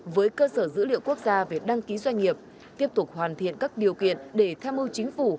với cơ sở dữ liệu quốc gia về đăng ký doanh nghiệp tiếp tục hoàn thiện các điều kiện để theo mưu chính phủ